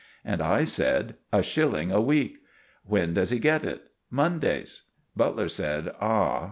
And I said: "A shilling a week." "When does he get it?" "Mondays." Butler said, "Ah!"